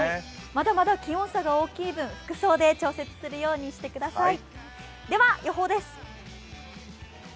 まだまだ気温差が大きい分服装で調節するようにしてください。